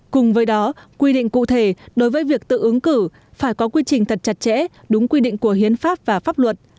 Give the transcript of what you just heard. cùng với đó quy định cụ thể đối với việc tự ứng cử phải có quy trình thật chặt chẽ đúng quy định của hiến pháp và pháp luật